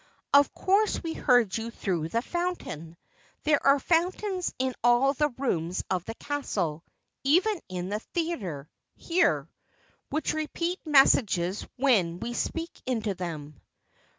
"Of course we heard you through the Phontain. There are Phontains in all the rooms of the Castle even in the theater, here which repeat messages when we speak into them."